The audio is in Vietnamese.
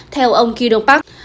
theo ông kido park